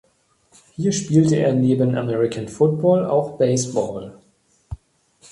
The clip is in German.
Hier spielte er neben American Football auch Baseball.